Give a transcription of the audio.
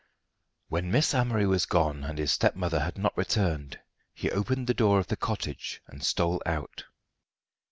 When Miss Amory was gone, and his stepmother had not returned, he opened the door of the cottage and stole out.